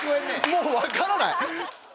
もう分からない